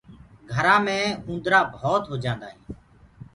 گھرآنٚ مي اُندرآ ڀوت هوجآندآ هينٚ